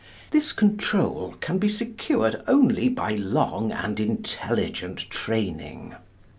This control can be secured only by long and intelligent training.